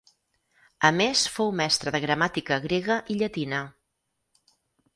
A més fou mestre de gramàtica grega i llatina.